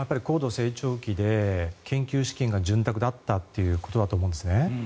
高度成長期で研究資金が潤沢だったということだと思うんですね。